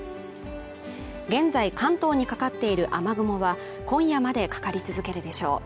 現在、関東にかかっている雨雲は今夜までかかり続けるでしょう。